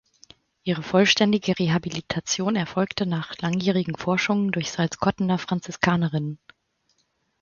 Ihre vollständige Rehabilitation erfolgte nach langjährigen Forschungen durch Salzkottener Franziskanerinnen.